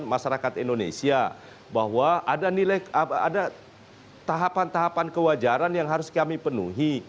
masyarakat indonesia bahwa ada tahapan tahapan kewajaran yang harus kami penuhi